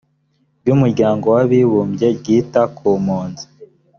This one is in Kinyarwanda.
ry umuryango w abibumbye ryita ku mpunzi